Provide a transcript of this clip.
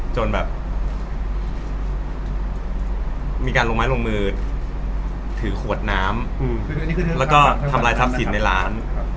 จนแบบมีการลงไม้ลงมือถือขวดน้ำแล้วก็ทำลายทรัพย์สินในร้าน